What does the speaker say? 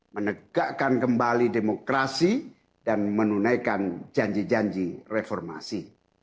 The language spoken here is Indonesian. menegakkan kembali demokrasi dan menunaikan janji janji reformasi